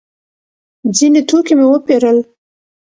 ځینې توکي مو وپېرل.